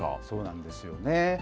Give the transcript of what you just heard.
そうなんですよね。